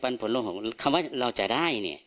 ถ้าเขาพูดว่าเงินปันผลละ๖๐๐๐คำว่าเราจะได้เนี่ย